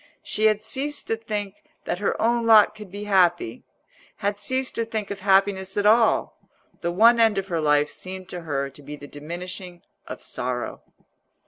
She had ceased to think that her own lot could be happy—had ceased to think of happiness at all: the one end of her life seemed to her to be the diminishing of sorrow.